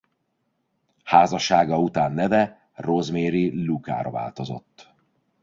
Házassága után neve Rosemary Lluka-ra változott.